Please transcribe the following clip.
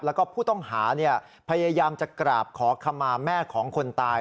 แล้วก็ผู้ต้องหาพยายามจะกราบขอขมาแม่ของคนตาย